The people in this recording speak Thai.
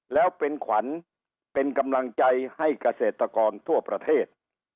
แล้วเป็นขวัญเป็นกำลังใจให้เกษตรกรทั่วประเทศ